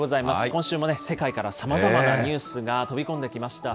今週もね、世界からさまざまなニュースが飛び込んできました。